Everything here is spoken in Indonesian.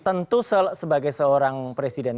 tentu sebagai seorang presiden